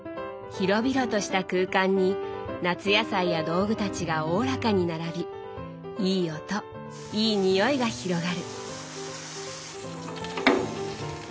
広々とした空間に夏野菜や道具たちがおおらかに並びいい音いい匂いが広がる。